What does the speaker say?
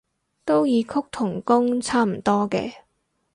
都異曲同工差唔多嘅